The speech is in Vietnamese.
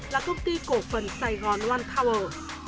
là công ty cổ phần sài gòn one tower